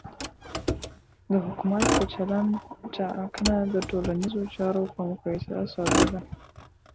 د حکومت د چلند ټاکنه د ټولنیزو چارو په مقایسه ساده ده.